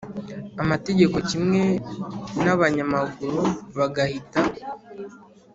Amategeko kimwe n abanyamaguru bagahita